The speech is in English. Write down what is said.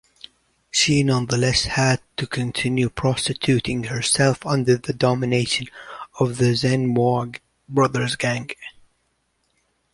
She nonetheless had to continue prostituting herself under the domination of the Zenmour Brothers gang.